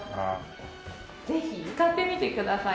ぜひつかってみてください。